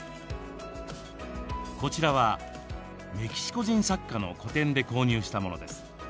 こちらはメキシコ人作家の個展で購入したものです。